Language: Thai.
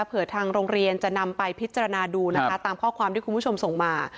ทางโรงเรียนจะนำไปพิจารณาดูนะคะตามข้อความที่คุณผู้ชมส่งมา